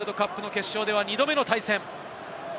ラグビーワールドカップの決勝では２度目の対戦。